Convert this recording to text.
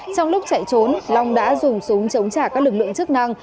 trong lúc chạy trốn long đã dùng súng chống trả các lực lượng chức năng